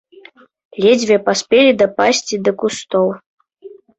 Ледзьве паспелі дапасці да кустоў.